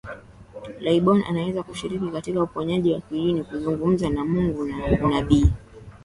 Laibon anaweza kushiriki katika uponyaji wa kidini kuzungumza na Mungu na unabii